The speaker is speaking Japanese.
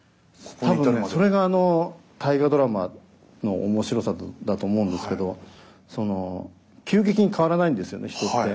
多分それが「大河ドラマ」の面白さだと思うんですけど急激に変わらないんですよね人って。